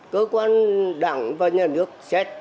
cơ quan đảng và nhà nước xét